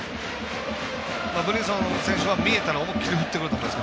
ブリンソン選手は見えたら思いっきり振ってくると思います。